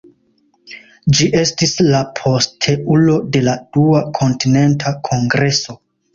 Ĝi estis la posteulo de la Dua Kontinenta Kongreso.